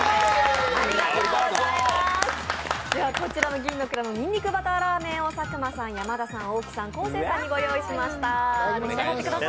こちらの銀のくらのにんにくバターらーめんを佐久間さん、山田さん、大木さん、昴生さんにご用意しました。